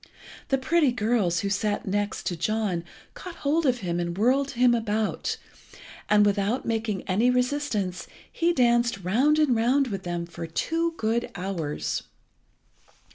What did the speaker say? The pretty girls who sat next John caught hold of him and whirled him about, and, without making any resistance, he danced round and round with them for two good hours.